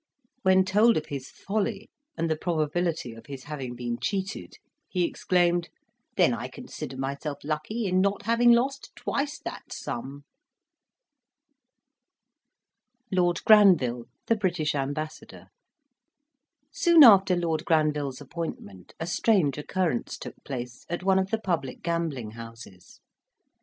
When told of his folly and the probability of his having been cheated, he exclaimed, "Then I consider myself lucky in not having lost twice that sum!" LORD GRANVILLE, THE BRITISH AMBASSADOR Soon after Lord Granville's appointment, a strange occurrence took place at one of the public gambling houses.